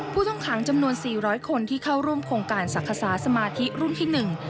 ผู้ต้องขังจำนวนสี่ร้อยคนที่เข้าร่วมโครงการศักดิ์ษาสมาธิรุ่นที่หนึ่ง